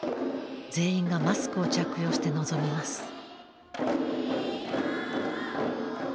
全員がマスクを着用して臨みます。